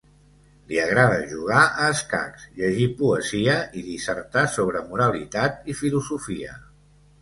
Li agrada jugar a escacs, llegir poesia i dissertar sobre moralitat i filosofia.